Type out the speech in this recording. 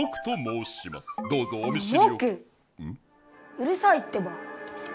うるさいってば！